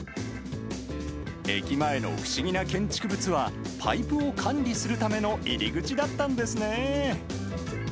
駅前の不思議な建築物は、パイプを管理するための入り口だったんですね。